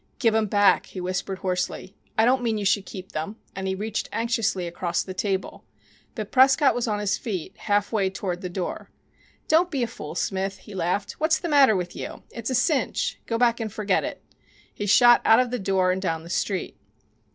"Give 'em back," he whispered hoarsely. "I didn't mean you should keep them," and he reached anxiously across the table. But Prescott was on his feet, half way toward the door. "Don't be a fool, Smith," he laughed. "What's the matter with you? It's a cinch. Go back and forget it." He shot out of the door and down the street.